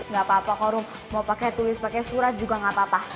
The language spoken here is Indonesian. gak apa apa korung mau pakai tulis pakai surat juga gak apa apa